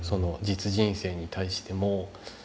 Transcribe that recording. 実人生に対しても。